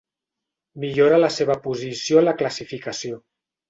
Millora la seva posició a la classificació.